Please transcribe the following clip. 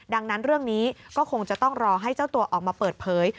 ดังนั้นเรื่องนี้ก็คงจะต้องรอให้เจ้าตัวออกมาเปิดเผย